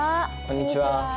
こんにちは。